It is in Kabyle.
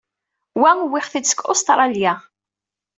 Wa, wwiɣ-t-id seg Ustṛalya.